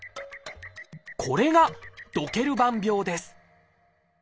これが「ドケルバン病」です。